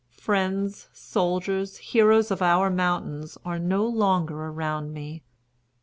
Friends, soldiers, heroes of our mountains, are no longer around me.